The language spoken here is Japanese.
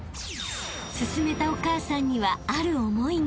［勧めたお母さんにはある思いが］